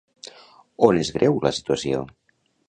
On és greu la situació?